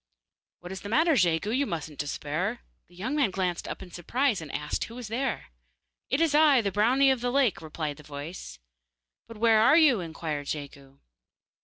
'What is the matter, Jegu? You mustn't despair yet.' The young man glanced up in surprise, and asked who was there. 'It is I, the brownie of the lake,' replied the voice. 'But where are you?' inquired Jegu.